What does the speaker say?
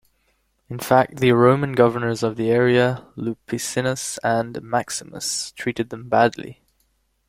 In fact, the Roman governors of the area, Lupicinus and Maximus, treated them badly.